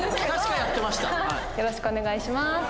よろしくお願いします。